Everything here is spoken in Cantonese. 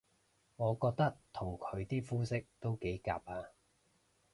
我覺得同佢啲膚色都幾夾吖